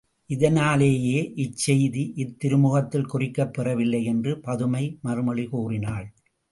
இதனாலேயே இச் செய்தி இத் திருமுகத்தில் குறிக்கப் பெறவில்லை என்று பதுமை மறுமொழி கூறினாள்.